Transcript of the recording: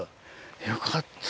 よかった。